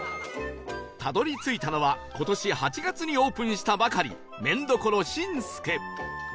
たどり着いたのは今年８月にオープンしたばかり麺処しんすけ